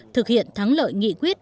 thực hiện thắng lợi nghị quyết